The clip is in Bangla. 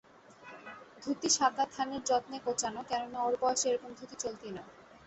ধুতি সাদা থানের যত্নে কোঁচানো, কেননা ওর বয়সে এরকম ধুতি চলতি নয়।